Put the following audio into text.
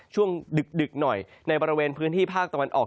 ช่วงดึกหน่อยในบริเวณพื้นที่ภาคตะวันออก